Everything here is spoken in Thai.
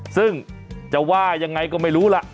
ซึ่งจะว่ายังไงก็ไม่รู้ล่ะ